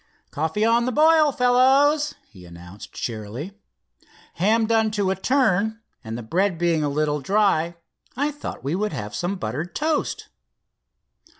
"Coffee on the boil, fellows," he announced cheerily; "ham done to a turn, and the bread being a little dry I thought we would have some buttered toast."